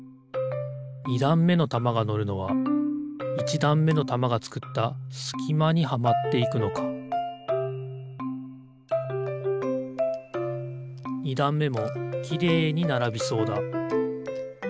２だんめのたまがのるのは１だんめのたまがつくったすきまにはまっていくのか２だんめもきれいにならびそうだ。